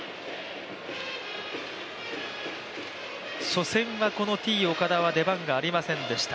初戦はこのＴ−岡田は出番がありませんでした。